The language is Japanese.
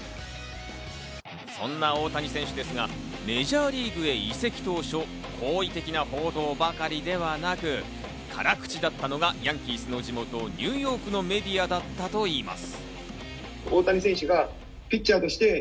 そんな大谷選手ですが、メジャーリーグへ移籍当初、好意的な報道ばかりではなく、辛口だったのがヤンキースの地元ニューヨークのメディアだったといいます。